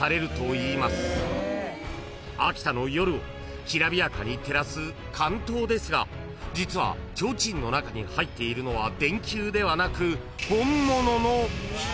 ［秋田の夜をきらびやかに照らす竿燈ですが実は提灯の中に入っているのは電球ではなく］